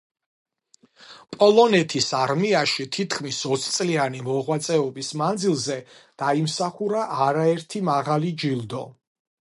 პოლონეთის არმიაში თითქმის ოცწლიანი მოღვაწეობის მანძილზე დაიმსახურა არაერთი მაღალი ჯილდო.